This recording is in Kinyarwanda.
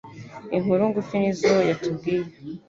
inkuru ngufi nizo yatubwiye